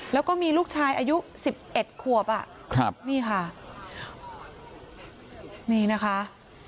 แล้วก็มีลูกชายอายุสิบเอ็ดขวบอ่ะครับนี่ค่ะนี่นะคะ